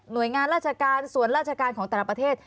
โดยงานราชการส่วนราชการของแต่ละประเทศ